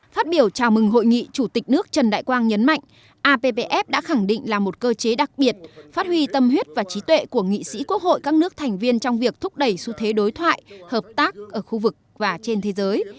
phát biểu chào mừng hội nghị chủ tịch nước trần đại quang nhấn mạnh appf đã khẳng định là một cơ chế đặc biệt phát huy tâm huyết và trí tuệ của nghị sĩ quốc hội các nước thành viên trong việc thúc đẩy xu thế đối thoại hợp tác ở khu vực và trên thế giới